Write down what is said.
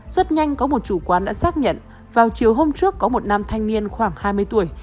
rất nhanh có một chủ quán đã xác nhận vào chiều hôm trước có một nam thanh niên khoảng hai mươi tuổi